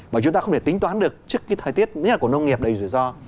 mà chúng ta không thể tính toán được trước cái thời tiết nhất là của nông nghiệp đầy rủi ro